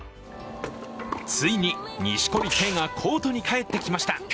ついに錦織圭がコートに帰ってきました。